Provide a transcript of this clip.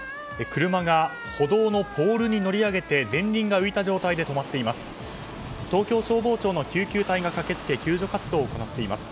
車が、歩道のポールに乗り上げて前輪が浮いた状態で止まっています。